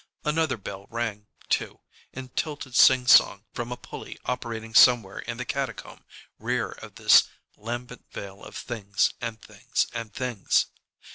Another bell rang, too, in tilted singsong from a pulley operating somewhere in the catacomb rear of this lambent vale of things and things and things.